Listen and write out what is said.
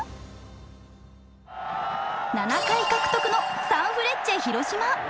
７回獲得のサンフレッチェ広島。